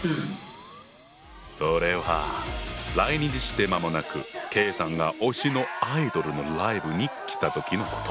それは来日して間もなく計さんが推しのアイドルのライブに来た時のこと。